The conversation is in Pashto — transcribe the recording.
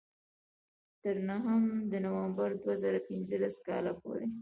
تر نهم د نومبر دوه زره پینځلس کال پورې.